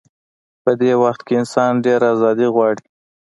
په دې وخت کې انسان ډېره ازادي غواړي.